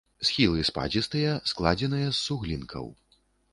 Схілы спадзістыя, складзеныя з суглінкаў.